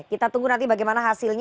kita tunggu nanti bagaimana hasilnya